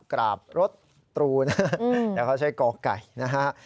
กราบรถตรูนะเขาใช้โก๊กไก่นะคะ